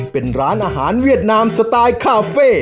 เป็นร้านอาหารเวียดนามสไตล์คาเฟ่